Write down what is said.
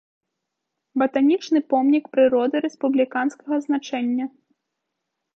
Батанічны помнік прыроды рэспубліканскага значэння.